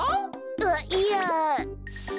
あっいや。